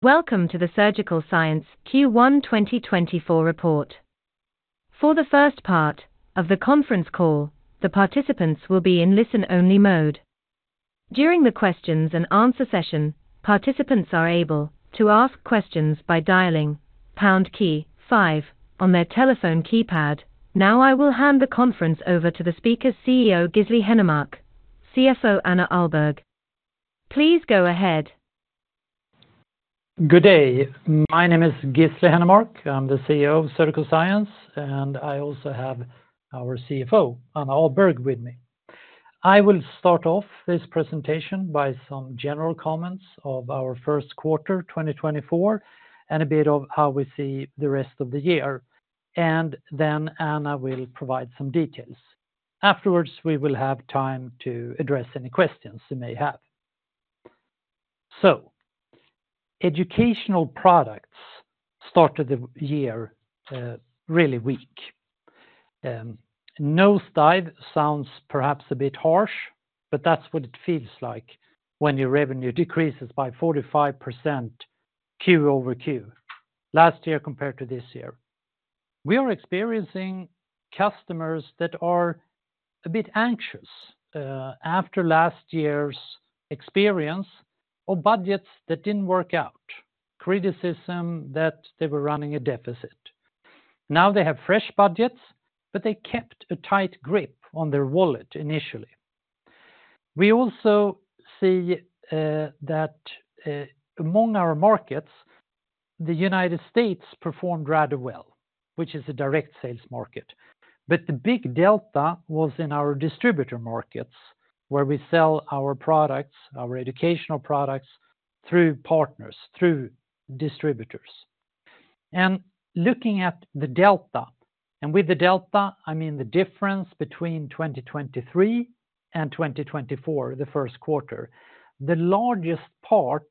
Welcome to the Surgical Science Q1 2024 report. For the first part of the conference call, the participants will be in listen-only mode. During the questions-and-answer session, participants are able to ask questions by dialing pound key 5 on their telephone keypad. Now I will hand the conference over to the speaker's CEO Gisli Hennermark, CFO Anna Ahlberg. Please go ahead. Good day. My name is Gisli Hennermark, I'm the CEO of Surgical Science, and I also have our CFO, Anna Ahlberg, with me. I will start off this presentation by some general comments of our first quarter 2024 and a bit of how we see the rest of the year, and then Anna will provide some details. Afterwards we will have time to address any questions you may have. Educational Products started the year really weak. No, it sounds perhaps a bit harsh, but that's what it feels like when your revenue decreases by 45% quarter-over-quarter last year compared to this year. We are experiencing customers that are a bit anxious after last year's experience or budgets that didn't work out, criticism that they were running a deficit. Now they have fresh budgets, but they kept a tight grip on their wallet initially. We also see that among our markets, the United States performed rather well, which is a direct sales market, but the big delta was in our distributor markets where we sell our products, our Educational Products, through partners, through distributors. And looking at the delta, and with the delta I mean the difference between 2023 and 2024, the first quarter, the largest part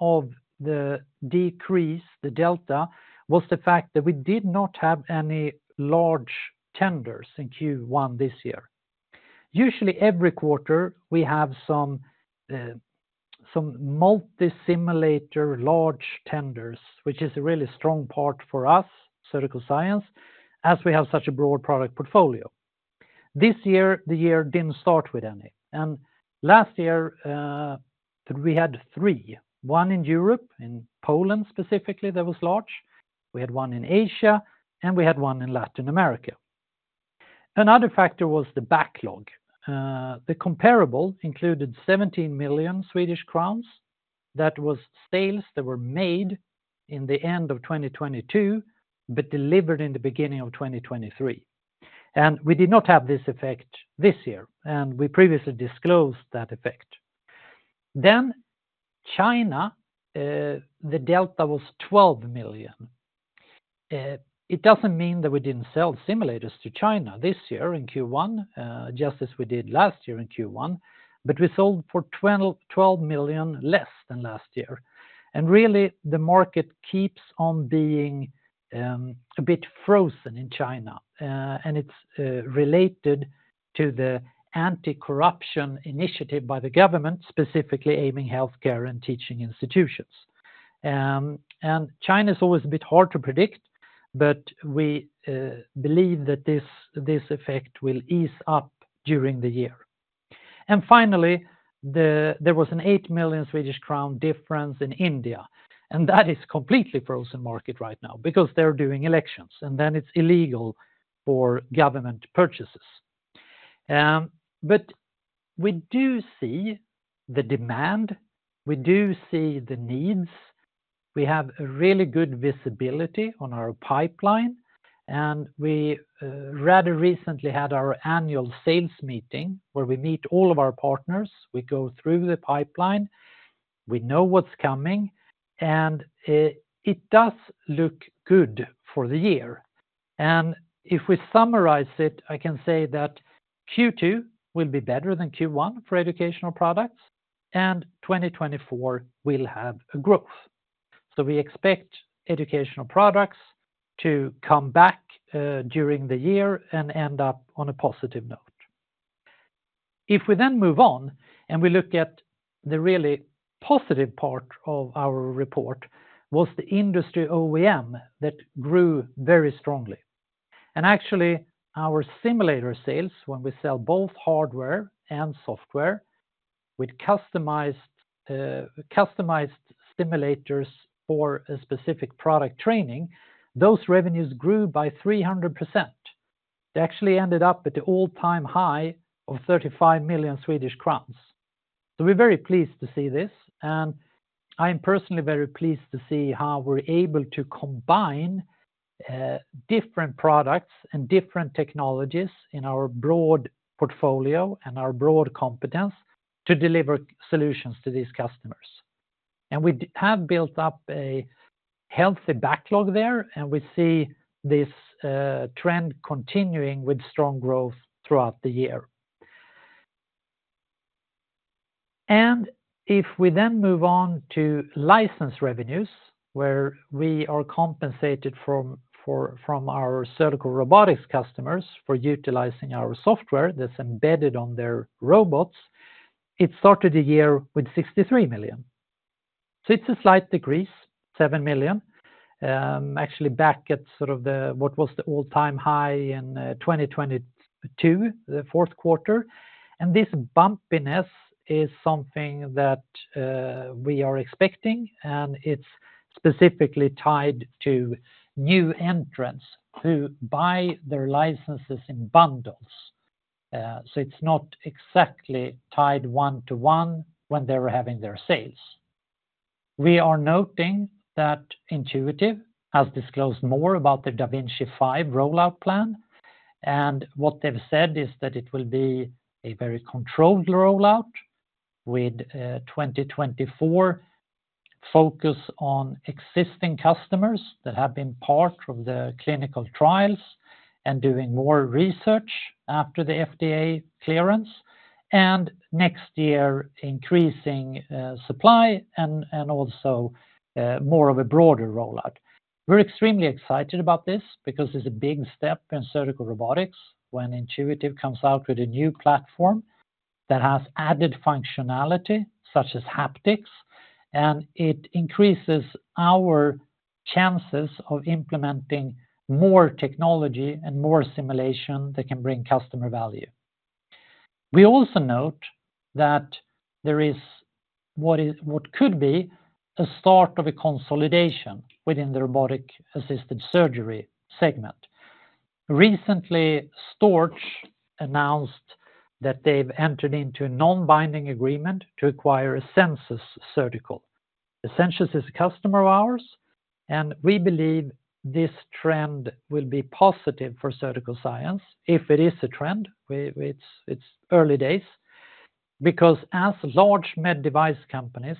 of the decrease, the delta, was the fact that we did not have any large tenders in Q1 this year. Usually every quarter we have some multi-simulator large tenders, which is a really strong part for us, Surgical Science, as we have such a broad product portfolio. This year the year didn't start with any, and last year we had three, one in Europe, in Poland specifically that was large, we had one in Asia, and we had one in Latin America. Another factor was the backlog. The comparable included 17 million Swedish crowns, that was sales that were made in the end of 2022 but delivered in the beginning of 2023. We did not have this effect this year, and we previously disclosed that effect. China, the delta was 12 million. It doesn't mean that we didn't sell simulators to China this year in Q1, just as we did last year in Q1, but we sold for 12 million less than last year. Really the market keeps on being a bit frozen in China, and it's related to the anti-corruption initiative by the government, specifically aiming healthcare and teaching institutions. China is always a bit hard to predict, but we believe that this effect will ease up during the year. Finally, there was an 8 million Swedish crown difference in India, and that is a completely frozen market right now because they're doing elections, and then it's illegal for government purchases. But we do see the demand, we do see the needs, we have a really good visibility on our pipeline, and we rather recently had our annual sales meeting where we meet all of our partners, we go through the pipeline, we know what's coming, and it does look good for the year. If we summarize it, I can say that Q2 will be better than Q1 for Educational Products, and 2024 will have a growth. So we expect Educational Products to come back during the year and end up on a positive note. If we then move on and we look at the really positive part of our report, it was the Industry OEM that grew very strongly. And actually our simulator sales, when we sell both hardware and software with customized simulators for a specific product training, those revenues grew by 300%. They actually ended up at the all-time high of 35 million Swedish crowns. So we're very pleased to see this, and I am personally very pleased to see how we're able to combine different products and different technologies in our broad portfolio and our broad competence to deliver solutions to these customers. And we have built up a healthy backlog there, and we see this trend continuing with strong growth throughout the year. And if we then move on to license revenues, where we are compensated from our surgical robotics customers for utilizing our software that's embedded on their robots, it started the year with 63 million. So it's a slight decrease, 7 million, actually back at sort of what was the all-time high in 2022, the fourth quarter. And this bumpiness is something that we are expecting, and it's specifically tied to new entrants who buy their licenses in bundles. So it's not exactly tied one-to-one when they were having their sales. We are noting that Intuitive has disclosed more about their da Vinci 5 rollout plan, and what they've said is that it will be a very controlled rollout with 2024 focus on existing customers that have been part of the clinical trials and doing more research after the FDA clearance, and next year increasing supply and also more of a broader rollout. We're extremely excited about this because it's a big step in surgical robotics when Intuitive comes out with a new platform that has added functionality such as haptics, and it increases our chances of implementing more technology and more simulation that can bring customer value. We also note that there is what could be a start of a consolidation within the robotic-assisted surgery segment. Recently Storz announced that they've entered into a non-binding agreement to acquire Asensus Surgical. Asensus is a customer of ours, and we believe this trend will be positive for Surgical Science, if it is a trend, it's early days, because as large med-device companies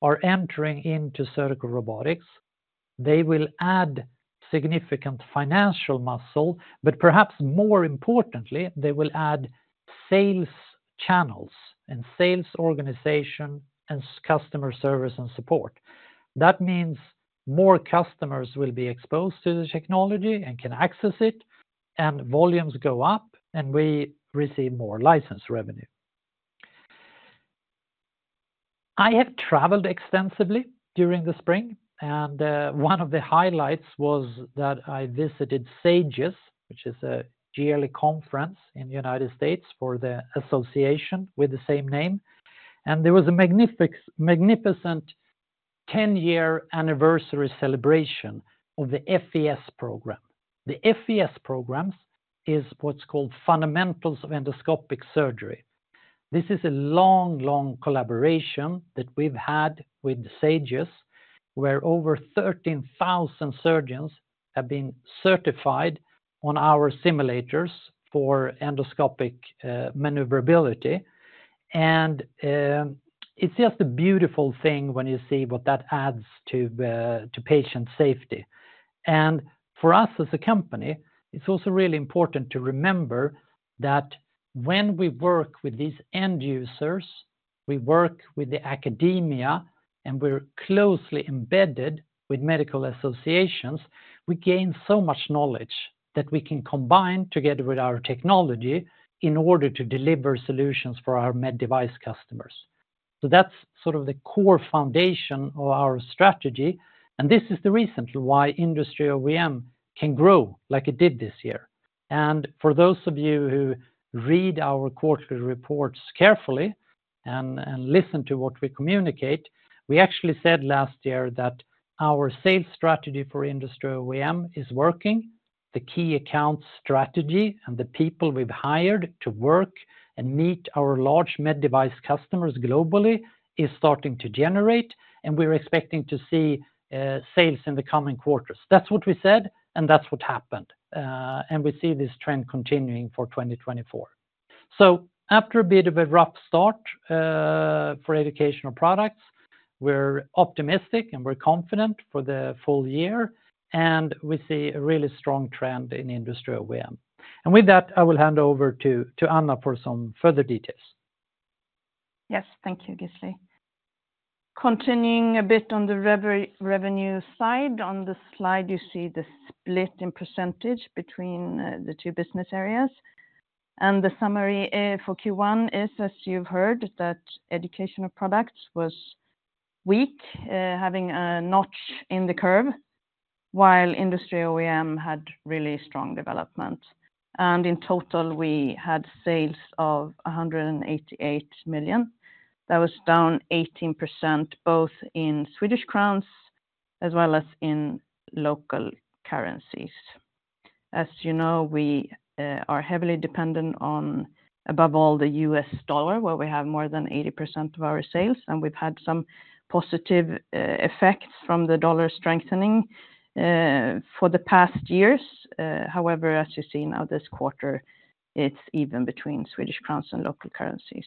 are entering into surgical robotics, they will add significant financial muscle, but perhaps more importantly, they will add sales channels and sales organization and customer service and support. That means more customers will be exposed to the technology and can access it, and volumes go up, and we receive more license revenue. I have traveled extensively during the spring, and one of the highlights was that I visited SAGES, which is a yearly conference in the United States for the association with the same name, and there was a magnificent 10-year anniversary celebration of the FES program. The FES program is what's called Fundamentals of Endoscopic Surgery. This is a long, long collaboration that we've had with SAGES, where over 13,000 surgeons have been certified on our simulators for endoscopic maneuverability. It's just a beautiful thing when you see what that adds to patient safety. For us as a company, it's also really important to remember that when we work with these end users, we work with the academia, and we're closely embedded with medical associations, we gain so much knowledge that we can combine together with our technology in order to deliver solutions for our med-device customers. So that's sort of the core foundation of our strategy, and this is the reason why Industry OEM can grow like it did this year. For those of you who read our quarterly reports carefully and listen to what we communicate, we actually said last year that our sales strategy for Industry OEM is working, the key account strategy and the people we've hired to work and meet our large med-device customers globally is starting to generate, and we're expecting to see sales in the coming quarters. That's what we said, and that's what happened, and we see this trend continuing for 2024. So after a bit of a rough start for Educational Products, we're optimistic and we're confident for the full year, and we see a really strong trend in Industry OEM. And with that, I will hand over to Anna for some further details. Yes, thank you, Gisli. Continuing a bit on the revenue side, on the slide you see the split in percentage between the two business areas. The summary for Q1 is, as you've heard, that Educational Products was weak, having a notch in the curve, while Industry OEM had really strong development. In total we had sales of 188 million. That was down 18% both in Swedish crowns as well as in local currencies. As you know, we are heavily dependent on, above all, the US dollar, where we have more than 80% of our sales, and we've had some positive effects from the dollar strengthening for the past years. However, as you see now this quarter, it's even between Swedish crowns and local currencies.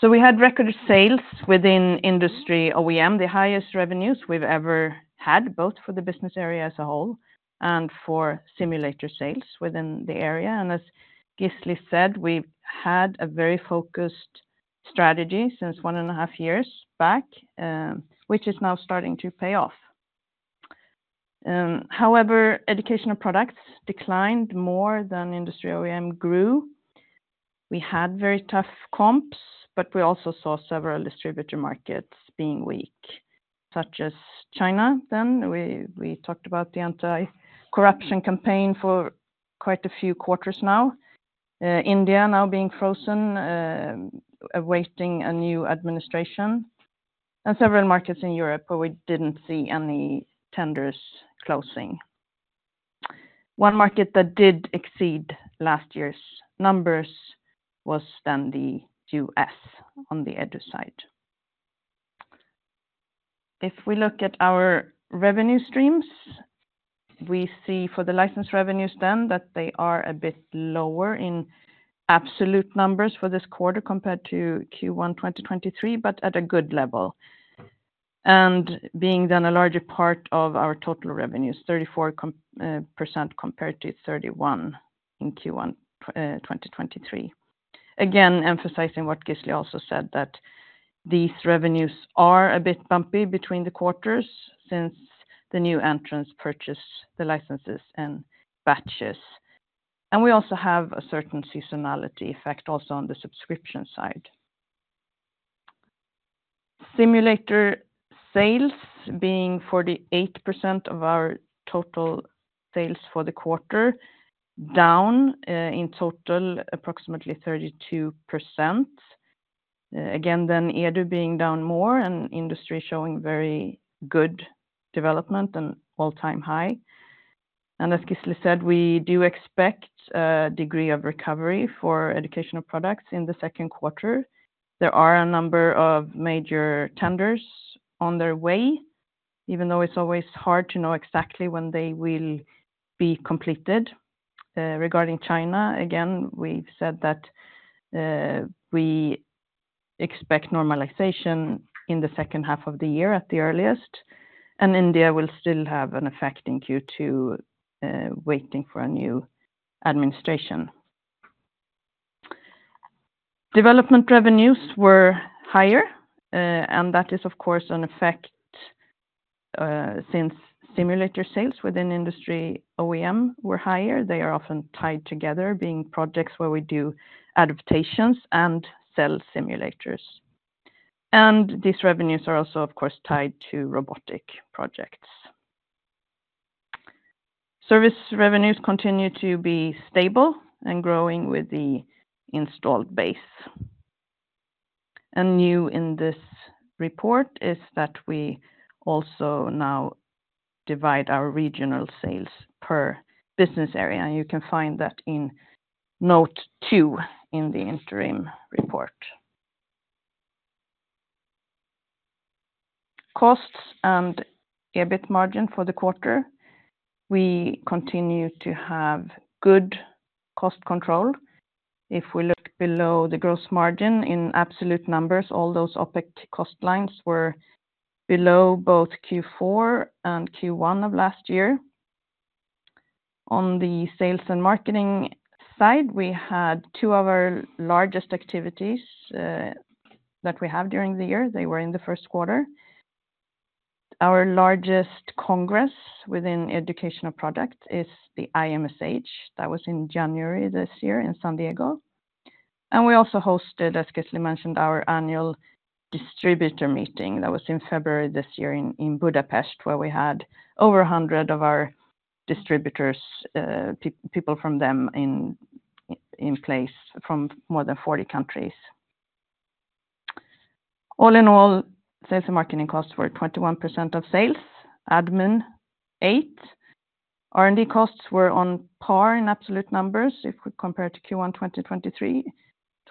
So we had record sales within Industry OEM, the highest revenues we've ever had, both for the business area as a whole and for simulator sales within the area. And as Gisli said, we had a very focused strategy since one and a half years back, which is now starting to pay off. However, Educational Products declined more than Industry OEM grew. We had very tough comps, but we also saw several distributor markets being weak, such as China then. We talked about the anti-corruption campaign for quite a few quarters now, India now being frozen, awaiting a new administration, and several markets in Europe where we didn't see any tenders closing. One market that did exceed last year's numbers was then the U.S. on the EDU side. If we look at our revenue streams, we see for the license revenues then that they are a bit lower in absolute numbers for this quarter compared to Q1 2023, but at a good level, and being then a larger part of our total revenues, 34% compared to 31% in Q1 2023. Again, emphasizing what Gisli also said, that these revenues are a bit bumpy between the quarters since the new entrants purchase the licenses in batches. And we also have a certain seasonality effect also on the subscription side. Simulator sales being 48% of our total sales for the quarter, down in total approximately 32%. Again, then EDU being down more and industry showing very good development and all-time high. And as Gisli said, we do expect a degree of recovery for Educational Products in the second quarter. There are a number of major tenders on their way, even though it's always hard to know exactly when they will be completed. Regarding China, again, we've said that we expect normalization in the second half of the year at the earliest, and India will still have an effect in Q2 waiting for a new administration. Development revenues were higher, and that is, of course, an effect since simulator sales within Industry OEM were higher. They are often tied together, being projects where we do adaptations and sell simulators. And these revenues are also, of course, tied to robotic projects. Service revenues continue to be stable and growing with the installed base. And new in this report is that we also now divide our regional sales per business area, and you can find that in note 2 in the interim report. Costs and EBIT margin for the quarter. We continue to have good cost control. If we look below the gross margin in absolute numbers, all those OpEx cost lines were below both Q4 and Q1 of last year. On the sales and marketing side, we had two of our largest activities that we have during the year. They were in the first quarter. Our largest congress within Educational Products is the IMSH. That was in January this year in San Diego. We also hosted, as Gisli mentioned, our annual distributor meeting. That was in February this year in Budapest, where we had over 100 of our distributors, people from them in place from more than 40 countries. All in all, sales and marketing costs were 21% of sales, admin 8%. R&D costs were on par in absolute numbers if we compare to Q1 2023,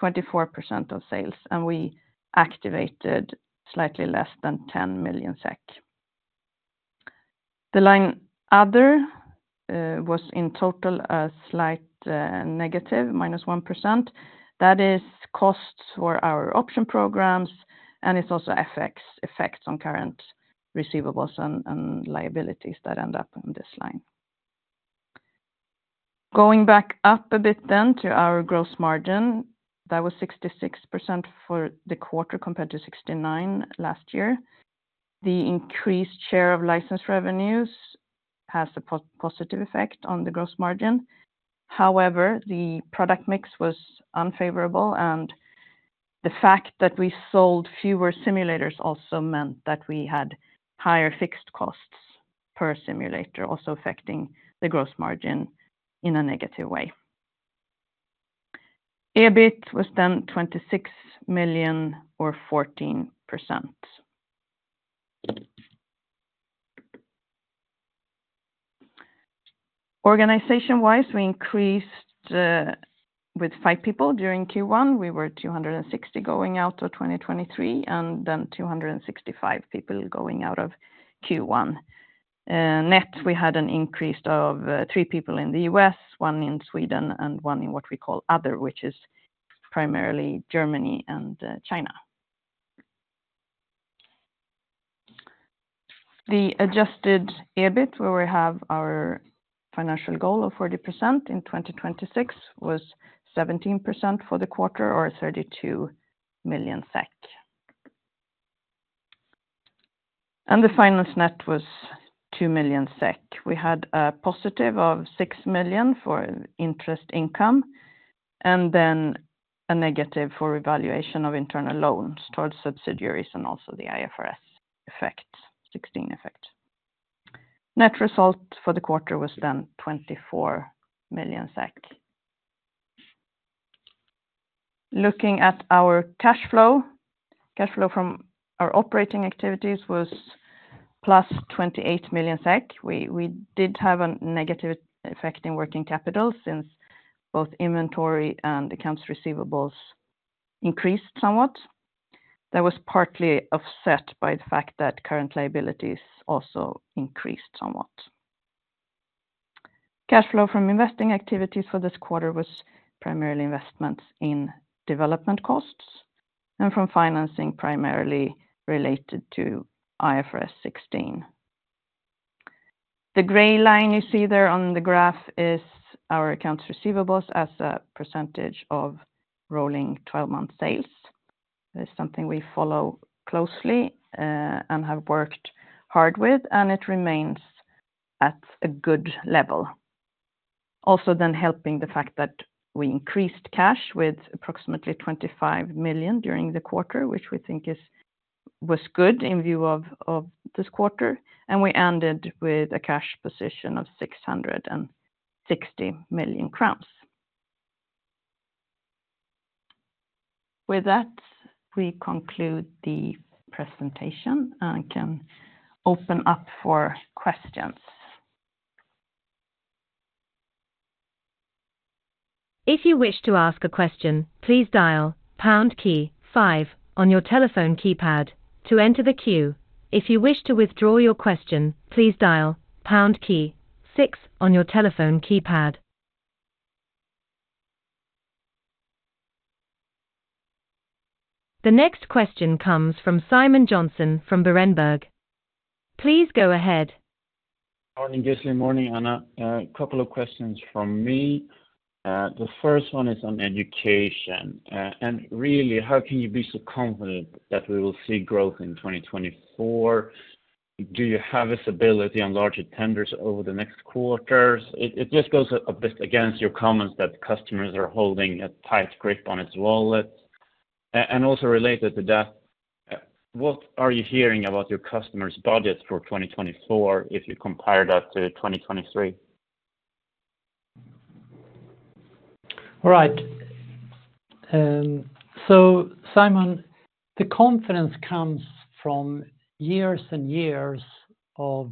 24% of sales, and we activated slightly less than 10 million SEK. The line other was in total a slight negative, -1%. That is costs for our option programs, and it's also FX effects on current receivables and liabilities that end up on this line. Going back up a bit then to our gross margin, that was 66% for the quarter compared to 69% last year. The increased share of license revenues has a positive effect on the gross margin. However, the product mix was unfavorable, and the fact that we sold fewer simulators also meant that we had higher fixed costs per simulator, also affecting the gross margin in a negative way. EBIT was then 26 million or 14%. Organization-wise, we increased with five people during Q1. We were 260 going out of 2023 and then 265 people going out of Q1. Next, we had an increase of 3 people in the U.S., 1 in Sweden, and 1 in what we call other, which is primarily Germany and China. The Adjusted EBIT, where we have our financial goal of 40% in 2026, was 17% for the quarter or 32 million SEK. The finance net was 2 million SEK. We had a positive of 6 million for interest income and then a negative for revaluation of internal loans towards subsidiaries and also the IFRS 16 effect. Net result for the quarter was then 24 million. Looking at our cash flow, cash flow from our operating activities was +28 million SEK. We did have a negative effect in working capital since both inventory and accounts receivable increased somewhat. That was partly offset by the fact that current liabilities also increased somewhat. Cash flow from investing activities for this quarter was primarily investments in development costs and from financing primarily related to IFRS 16. The grey line you see there on the graph is our accounts receivables as a percentage of rolling 12-month sales. That is something we follow closely and have worked hard with, and it remains at a good level, also then helping the fact that we increased cash with approximately 25 million during the quarter, which we think was good in view of this quarter, and we ended with a cash position of 660 million crowns. With that, we conclude the presentation and can open up for questions. If you wish to ask a question, please dial pound key 5 on your telephone keypad to enter the queue. If you wish to withdraw your question, please dial pound key 6 on your telephone keypad. The next question comes from Simon Jonsson from Berenberg. Please go ahead. Morning, Gisli. Morning, Anna. A couple of questions from me. The first one is on education. And really, how can you be so confident that we will see growth in 2024? Do you have a stability on larger tenders over the next quarters? It just goes a bit against your comments that customers are holding a tight grip on its wallet. And also related to that, what are you hearing about your customers' budgets for 2024 if you compare that to 2023? All right. So, Simon, the confidence comes from years and years of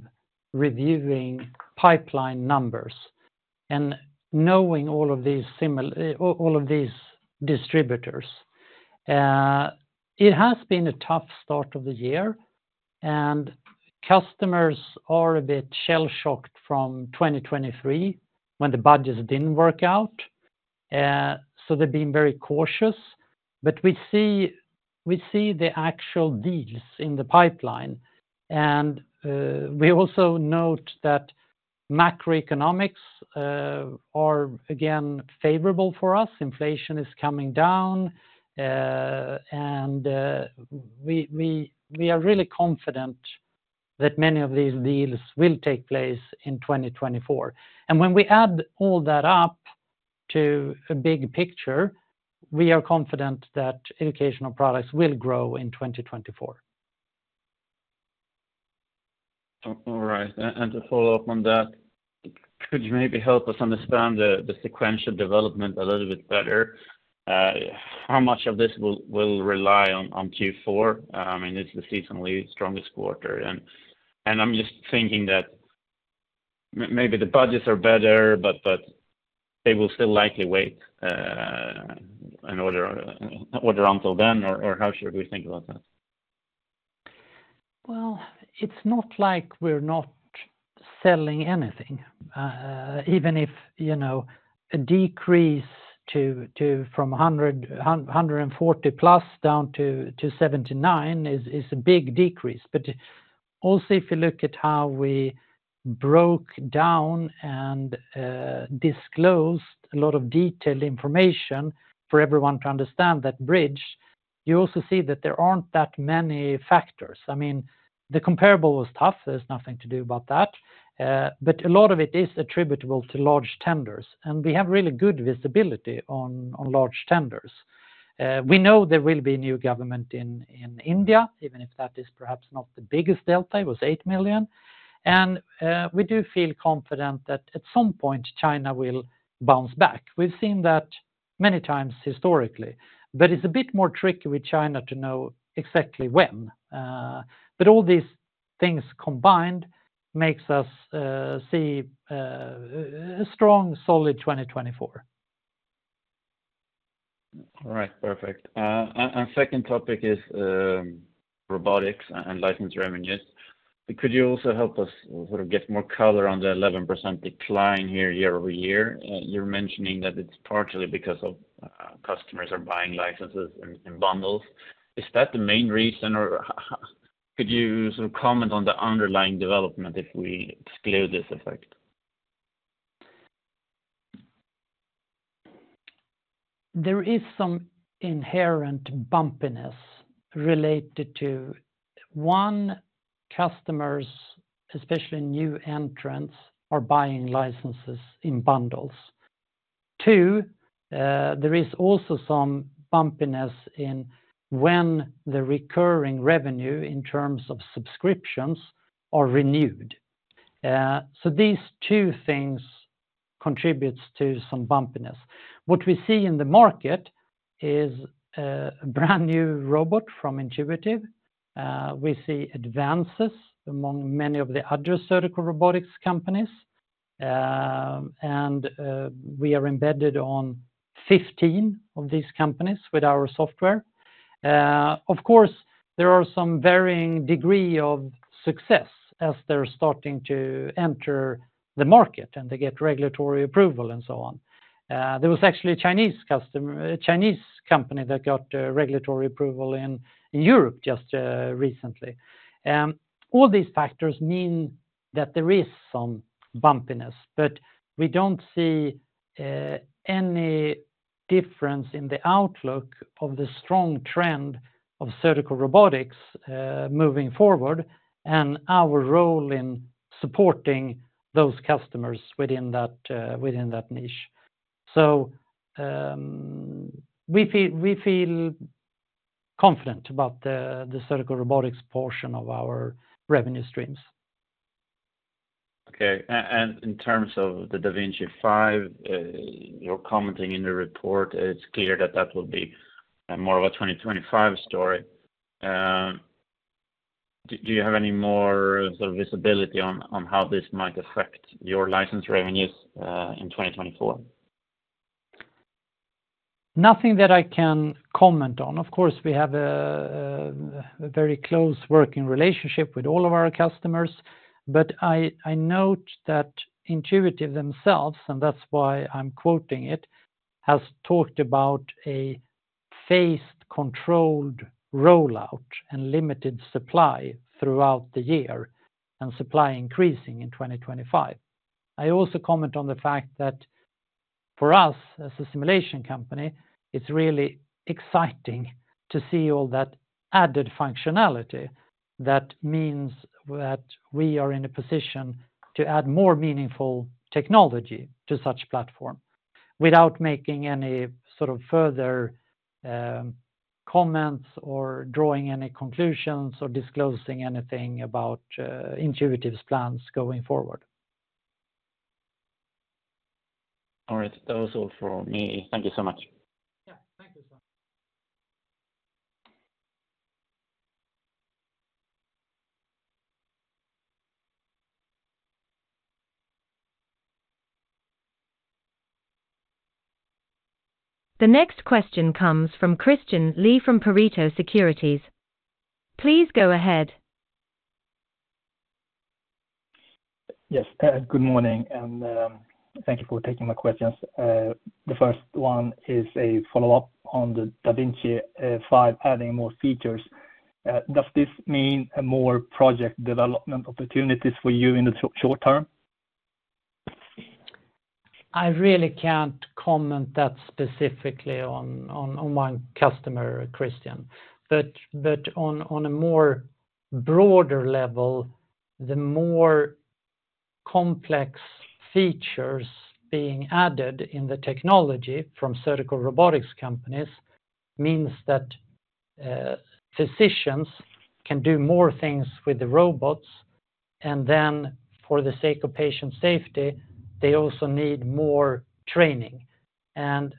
reviewing pipeline numbers and knowing all of these distributors. It has been a tough start of the year, and customers are a bit shell-shocked from 2023 when the budgets didn't work out. So they've been very cautious. But we see the actual deals in the pipeline. And we also note that macroeconomics are, again, favorable for us. Inflation is coming down, and we are really confident that many of these deals will take place in 2024. And when we add all that up to a big picture, we are confident that Educational Products will grow in 2024. All right. To follow up on that, could you maybe help us understand the sequential development a little bit better? How much of this will rely on Q4? I mean, it's the seasonally strongest quarter. I'm just thinking that maybe the budgets are better, but they will still likely wait in order until then, or how should we think about that? Well, it's not like we're not selling anything. Even if a decrease from 140+ down to 79 is a big decrease. But also, if you look at how we broke down and disclosed a lot of detailed information for everyone to understand that bridge, you also see that there aren't that many factors. I mean, the comparable was tough. There's nothing to do about that. But a lot of it is attributable to large tenders, and we have really good visibility on large tenders. We know there will be a new government in India, even if that is perhaps not the biggest delta. It was 8 million. And we do feel confident that at some point, China will bounce back. We've seen that many times historically. But it's a bit more tricky with China to know exactly when. But all these things combined make us see a strong, solid 2024. All right. Perfect. And second topic is robotics and license revenues. Could you also help us sort of get more color on the 11% decline here year-over-year? You're mentioning that it's partially because customers are buying licenses in bundles. Is that the main reason, or could you sort of comment on the underlying development if we exclude this effect? There is some inherent bumpiness related to, 1, customers, especially new entrants, are buying licenses in bundles. 2, there is also some bumpiness in when the recurring revenue in terms of subscriptions are renewed. So these two things contribute to some bumpiness. What we see in the market is a brand new robot from Intuitive. We see advances among many of the other surgical robotics companies. And we are embedded on 15 of these companies with our software. Of course, there are some varying degrees of success as they're starting to enter the market and they get regulatory approval and so on. There was actually a Chinese company that got regulatory approval in Europe just recently. All these factors mean that there is some bumpiness, but we don't see any difference in the outlook of the strong trend of surgical robotics moving forward and our role in supporting those customers within that niche. So we feel confident about the surgical robotics portion of our revenue streams. Okay. In terms of the da Vinci 5, you're commenting in the report, it's clear that that will be more of a 2025 story. Do you have any more sort of visibility on how this might affect your license revenues in 2024? Nothing that I can comment on. Of course, we have a very close working relationship with all of our customers. But I note that Intuitive themselves, and that's why I'm quoting it, has talked about a phased controlled rollout and limited supply throughout the year and supply increasing in 2025. I also comment on the fact that for us, as a simulation company, it's really exciting to see all that added functionality that means that we are in a position to add more meaningful technology to such a platform without making any sort of further comments or drawing any conclusions or disclosing anything about Intuitive's plans going forward. All right. That was all from me. Thank you so much. Yeah. Thank you, Simon. The next question comes from Christian Lee from Pareto Securities. Please go ahead. Yes. Good morning, and thank you for taking my questions. The first one is a follow-up on the da Vinci 5 adding more features. Does this mean more project development opportunities for you in the short term? I really can't comment that specifically on one customer, Christian. But on a more broader level, the more complex features being added in the technology from surgical robotics companies means that physicians can do more things with the robots. And then for the sake of patient safety, they also need more training. And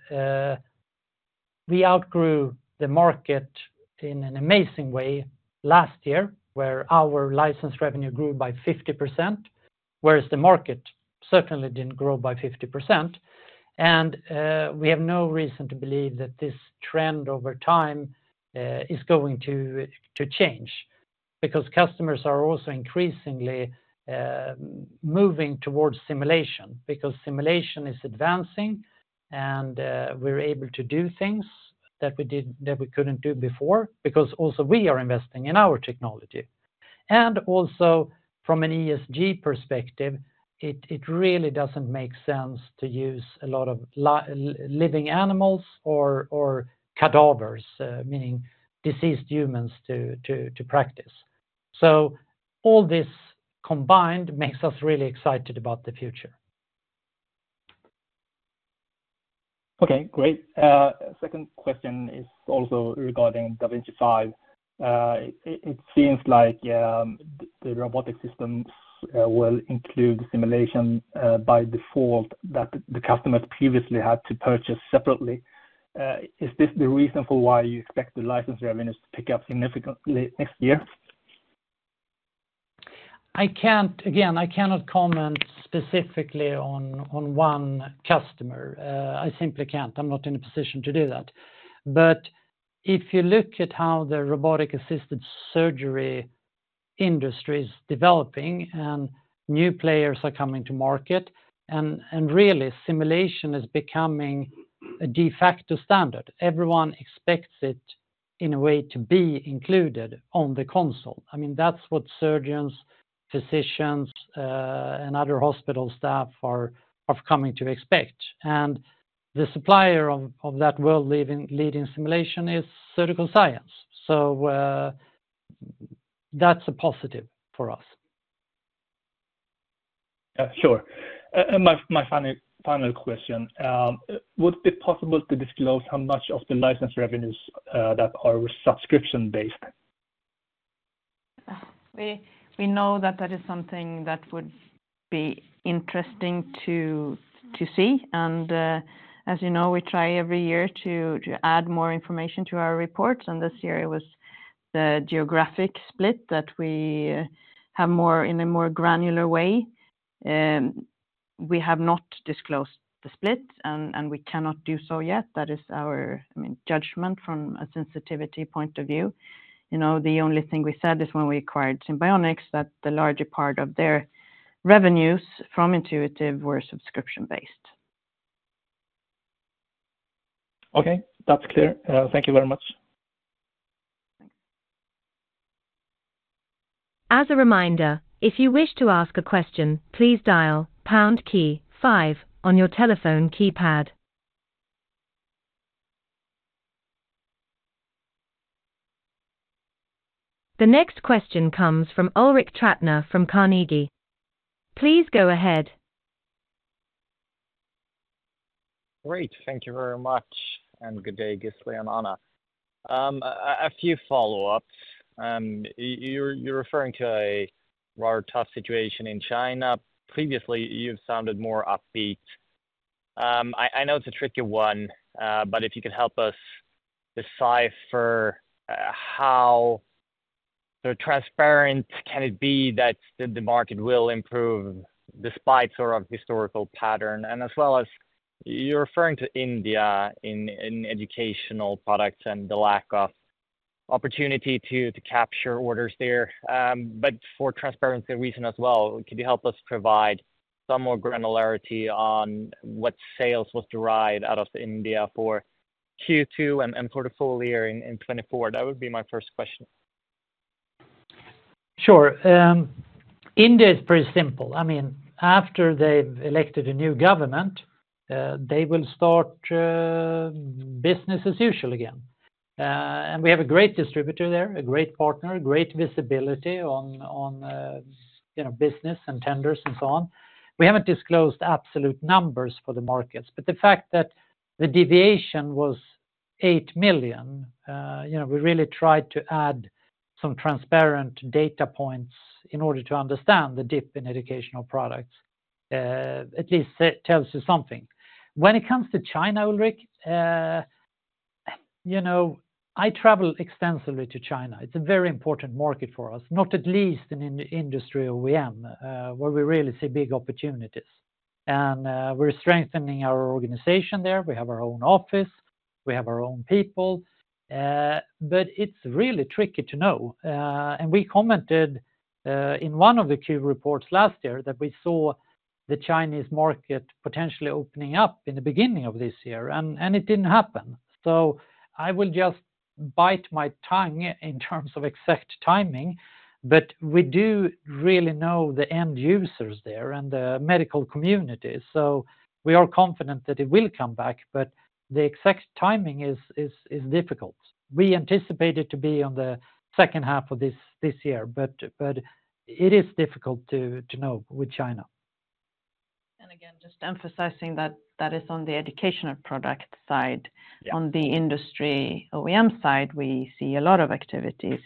we outgrew the market in an amazing way last year where our license revenue grew by 50%, whereas the market certainly didn't grow by 50%. And we have no reason to believe that this trend over time is going to change because customers are also increasingly moving towards simulation because simulation is advancing and we're able to do things that we couldn't do before because also we are investing in our technology. And also from an ESG perspective, it really doesn't make sense to use a lot of living animals or cadavers, meaning deceased humans, to practice. All this combined makes us really excited about the future. Okay. Great. Second question is also regarding da Vinci 5. It seems like the robotic systems will include simulation by default that the customers previously had to purchase separately. Is this the reason for why you expect the license revenues to pick up significantly next year? Again, I cannot comment specifically on one customer. I simply can't. I'm not in a position to do that. But if you look at how the robotic-assisted surgery industry is developing and new players are coming to market, and really, simulation is becoming a de facto standard. Everyone expects it in a way to be included on the console. I mean, that's what surgeons, physicians, and other hospital staff are coming to expect. And the supplier of that world-leading simulation is Surgical Science. So that's a positive for us. Yeah. Sure. And my final question, would it be possible to disclose how much of the license revenues that are subscription-based? We know that that is something that would be interesting to see. As you know, we try every year to add more information to our reports. This year, it was the geographic split that we have in a more granular way. We have not disclosed the split, and we cannot do so yet. That is our judgment from a sensitivity point of view. The only thing we said is when we acquired Simbionix that the larger part of their revenues from Intuitive were subscription-based. Okay. That's clear. Thank you very much. Thanks. As a reminder, if you wish to ask a question, please dial pound key 5 on your telephone keypad. The next question comes from Ulrik Trattner from Carnegie. Please go ahead. Great. Thank you very much. Good day, Gisli and Anna. A few follow-ups. You're referring to a rather tough situation in China. Previously, you've sounded more upbeat. I know it's a tricky one, but if you could help us decipher how transparent can it be that the market will improve despite sort of historical pattern? As well as you're referring to India in Educational Products and the lack of opportunity to capture orders there. For transparency reason as well, could you help us provide some more granularity on what sales were derived out of India for Q2 and portfolio in 2024? That would be my first question. Sure. India is pretty simple. I mean, after they've elected a new government, they will start business as usual again. And we have a great distributor there, a great partner, great visibility on business and tenders and so on. We haven't disclosed absolute numbers for the markets. But the fact that the deviation was 8 million, we really tried to add some transparent data points in order to understand the dip in Educational Products, at least tells you something. When it comes to China, Ulrik, I travel extensively to China. It's a very important market for us, not least in the Industry OEM, where we really see big opportunities. And we're strengthening our organization there. We have our own office. We have our own people. But it's really tricky to know. We commented in one of the Q reports last year that we saw the Chinese market potentially opening up in the beginning of this year, and it didn't happen. I will just bite my tongue in terms of exact timing. We do really know the end users there and the medical community. We are confident that it will come back, but the exact timing is difficult. We anticipate it to be on the second half of this year, but it is difficult to know with China. Again, just emphasizing that that is on the educational product side. On the Industry OEM side, we see a lot of activities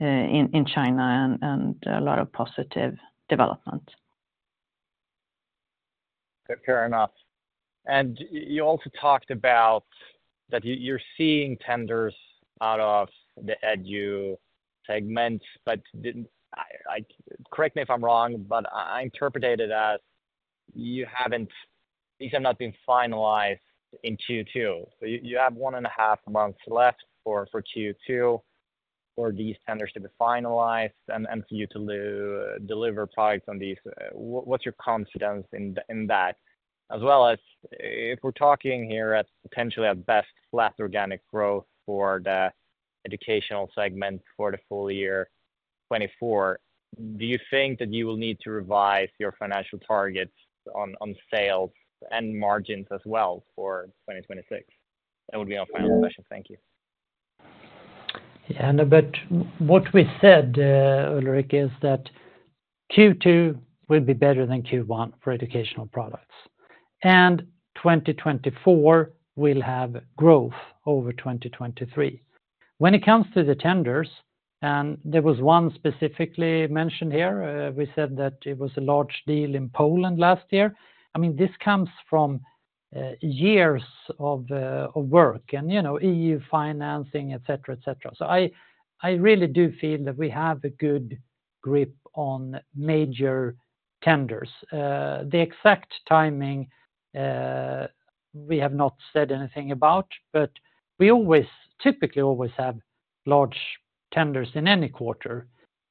in China and a lot of positive development. Fair enough. You also talked about that you're seeing tenders out of the Edu segments. Correct me if I'm wrong, but I interpreted it as these have not been finalized in Q2. So you have one and a half months left for Q2 for these tenders to be finalized and for you to deliver products on these. What's your confidence in that? As well as if we're talking here potentially at best flat organic growth for the educational segment for the full year 2024, do you think that you will need to revise your financial targets on sales and margins as well for 2026? That would be my final question. Thank you. Yeah. But what we said, Ulrik, is that Q2 will be better than Q1 for Educational Products, and 2024 will have growth over 2023. When it comes to the tenders, and there was one specifically mentioned here, we said that it was a large deal in Poland last year. I mean, this comes from years of work and EU financing, etc., etc. So I really do feel that we have a good grip on major tenders. The exact timing, we have not said anything about, but we typically always have large tenders in any quarter.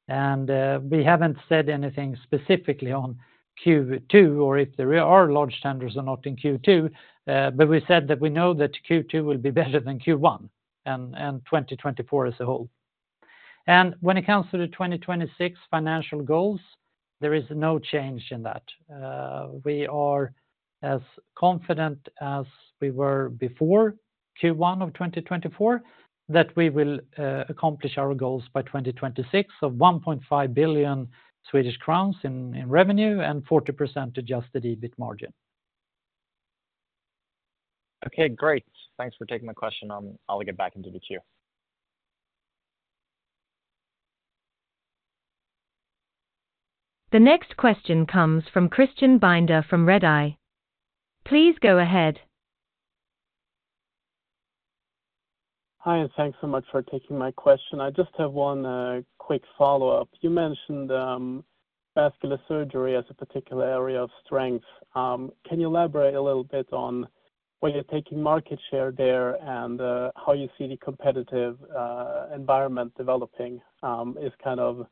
And we haven't said anything specifically on Q2 or if there are large tenders or not in Q2, but we said that we know that Q2 will be better than Q1 and 2024 as a whole. And when it comes to the 2026 financial goals, there is no change in that. We are as confident as we were before Q1 of 2024 that we will accomplish our goals by 2026 of 1.5 billion Swedish crowns in revenue and 40% Adjusted EBIT margin. Okay. Great. Thanks for taking my question. I'll get back into the queue. The next question comes from Christian Binder from Redeye. Please go ahead. Hi. Thanks so much for taking my question. I just have one quick follow-up. You mentioned vascular surgery as a particular area of strength. Can you elaborate a little bit on where you're taking market share there and how you see the competitive environment developing as kind of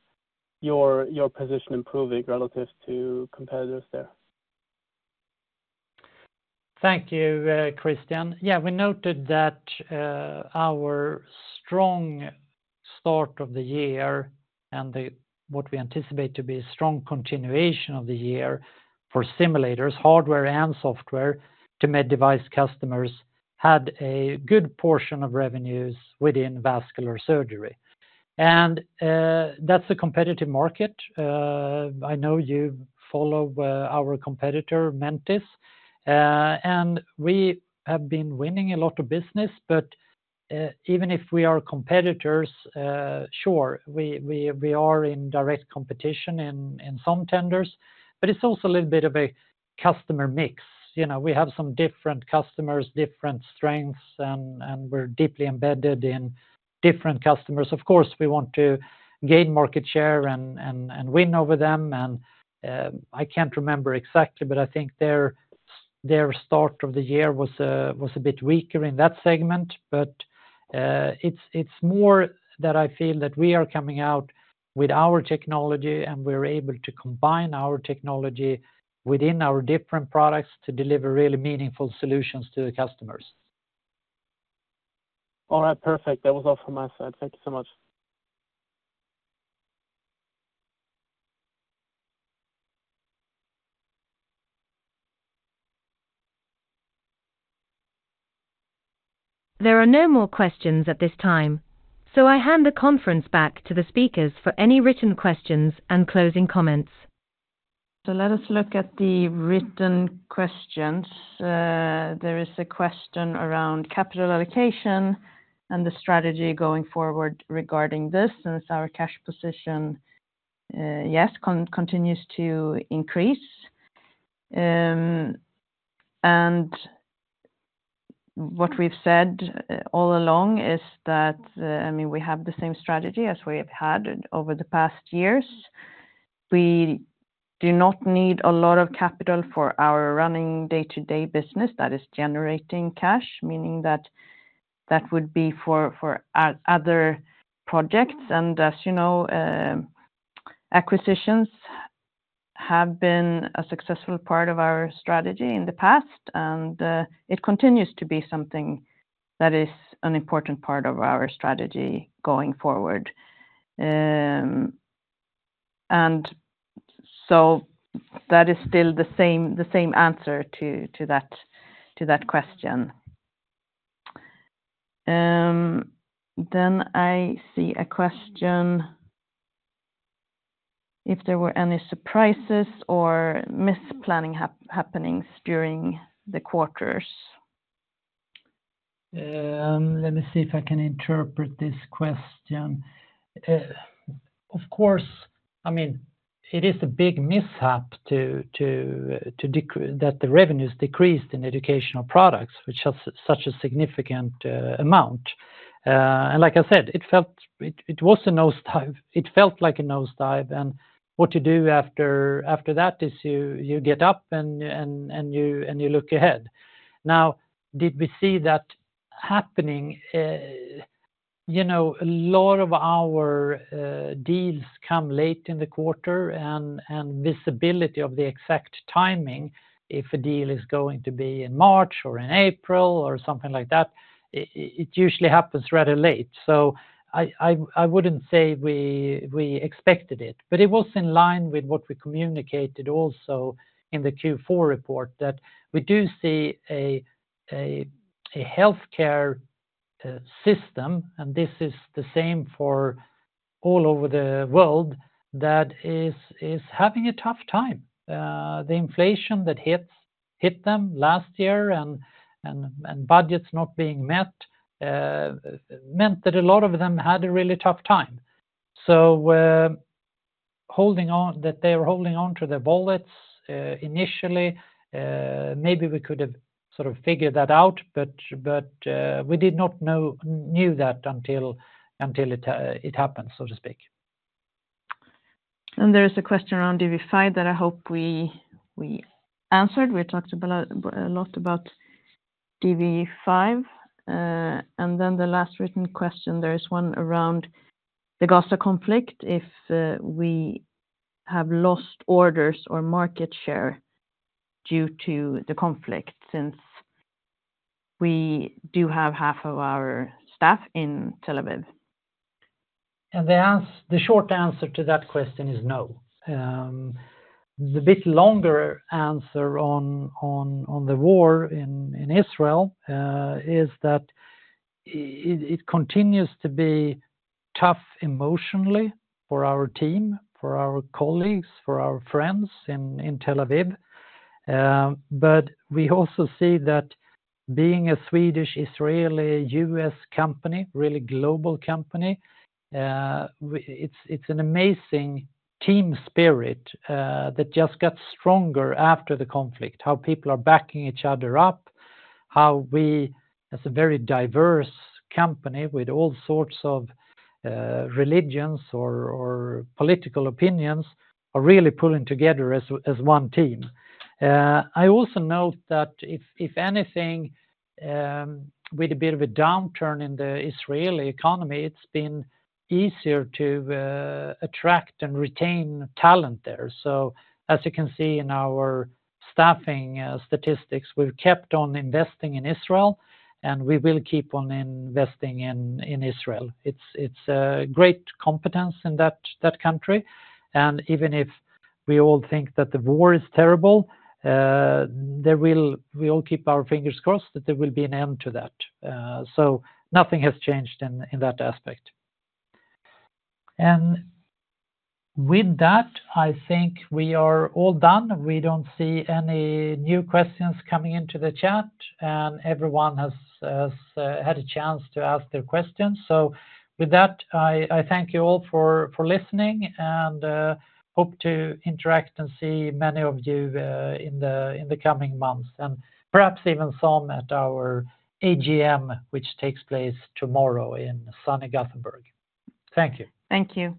your position improving relative to competitors there? Thank you, Christian. Yeah. We noted that our strong start of the year and what we anticipate to be a strong continuation of the year for simulators, hardware and software to med-device customers had a good portion of revenues within vascular surgery. And that's a competitive market. I know you follow our competitor, Mentice. And we have been winning a lot of business. But even if we are competitors, sure, we are in direct competition in some tenders. But it's also a little bit of a customer mix. We have some different customers, different strengths, and we're deeply embedded in different customers. Of course, we want to gain market share and win over them. And I can't remember exactly, but I think their start of the year was a bit weaker in that segment. It's more that I feel that we are coming out with our technology, and we're able to combine our technology within our different products to deliver really meaningful solutions to the customers. All right. Perfect. That was all from my side. Thank you so much. There are no more questions at this time, so I hand the conference back to the speakers for any written questions and closing comments. So let us look at the written questions. There is a question around capital allocation and the strategy going forward regarding this since our cash position, yes, continues to increase. And what we've said all along is that, I mean, we have the same strategy as we have had over the past years. We do not need a lot of capital for our running day-to-day business that is generating cash, meaning that that would be for other projects. And as you know, acquisitions have been a successful part of our strategy in the past, and it continues to be something that is an important part of our strategy going forward. And so that is still the same answer to that question. Then I see a question if there were any surprises or misplanning happenings during the quarters. Let me see if I can interpret this question. Of course, I mean, it is a big mishap that the revenues decreased in Educational Products, which is such a significant amount. And like I said, it was a nosedive. It felt like a nosedive. And what you do after that is you get up and you look ahead. Now, did we see that happening? A lot of our deals come late in the quarter, and visibility of the exact timing, if a deal is going to be in March or in April or something like that, it usually happens rather late. So I wouldn't say we expected it. But it was in line with what we communicated also in the Q4 report, that we do see a healthcare system, and this is the same for all over the world, that is having a tough time. The inflation that hit them last year and budgets not being met meant that a lot of them had a really tough time. So that they were holding on to their wallets initially. Maybe we could have sort of figured that out, but we did not know that until it happened, so to speak. There is a question around DV5 that I hope we answered. We talked a lot about DV5. Then the last written question, there is one around the Gaza conflict, if we have lost orders or market share due to the conflict since we do have half of our staff in Tel Aviv. The short answer to that question is no. The bit longer answer on the war in Israel is that it continues to be tough emotionally for our team, for our colleagues, for our friends in Tel Aviv. But we also see that being a Swedish, Israeli, U.S. company, really global company, it's an amazing team spirit that just got stronger after the conflict, how people are backing each other up, how we, as a very diverse company with all sorts of religions or political opinions, are really pulling together as one team. I also note that if anything, with a bit of a downturn in the Israeli economy, it's been easier to attract and retain talent there. So as you can see in our staffing statistics, we've kept on investing in Israel, and we will keep on investing in Israel. It's great competence in that country. And even if we all think that the war is terrible, we all keep our fingers crossed that there will be an end to that. Nothing has changed in that aspect. With that, I think we are all done. We don't see any new questions coming into the chat, and everyone has had a chance to ask their questions. With that, I thank you all for listening and hope to interact and see many of you in the coming months and perhaps even some at our AGM, which takes place tomorrow in sunny Gothenburg. Thank you. Thank you.